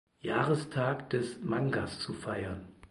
Jahrestag des Mangas zu feiern.